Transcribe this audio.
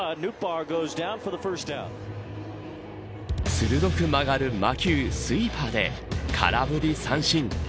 鋭く曲がる魔球スイーパーで空振り三振。